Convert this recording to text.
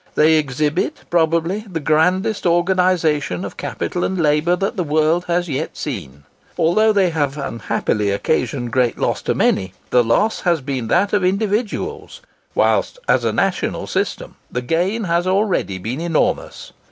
They exhibit, probably, the grandest organisation of capital and labour that the world has yet seen. Although they have unhappily occasioned great loss to many, the loss has been that of individuals; whilst, as a national system, the gain has already been enormous.